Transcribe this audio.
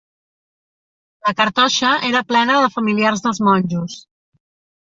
La cartoixa era plena de familiars dels monjos.